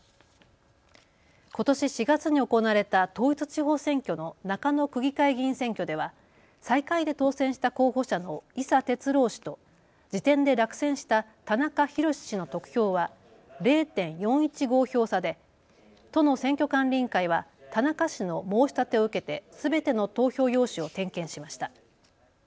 ことし４月に行われた統一地方選挙の中野区議会議員選挙では最下位で当選した候補者の井佐哲郎氏と次点で落選した田中裕史氏の得票は０．４１５票差で都の選挙管理委員会は田中氏の申し立てを受けてすべての投票用紙を点検しました。